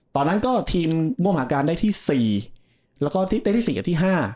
ตอนนั้นก็ทีมมั่งหาการได้ที่สี่แล้วก็ได้ที่สี่กับที่ห้า